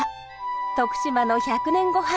徳島の「１００年ゴハン」